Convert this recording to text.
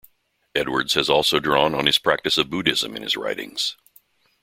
Edwards has also drawn on his practice of Buddhism in his writings.